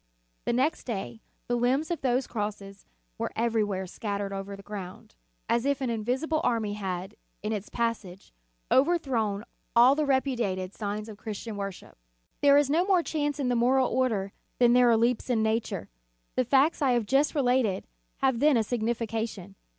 The next day the limbs of those crosses were everywhere scattered over the ground, as if an invisible army had, in its passage, overthrown all the repudiated signs of Christian worship There is no more chance in the moral order than there are leaps in nature. The facts I have just related, have then a signifi cation.